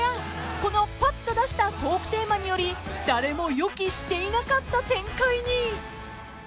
［このパッと出したトークテーマにより誰も予期していなかった展開に］